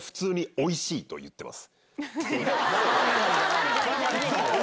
おいしいと言ってます。